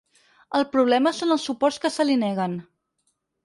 El problema són els suports que se li neguen.